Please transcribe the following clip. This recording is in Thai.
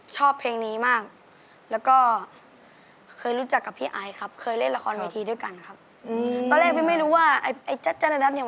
จ๊าจ้าดาดันจ๊าจ๊าจ๊าดาดัน